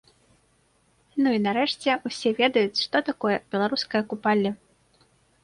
Ну, і нарэшце, усе ведаюць, што такое беларускае купалле.